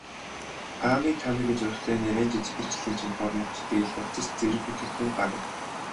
Аами, Таамигийн зурагтай нярайн жижиг хэрэгслийн цүнх, хормогч, дээл, хувцас зэрэг бүтээгдэхүүн гарна.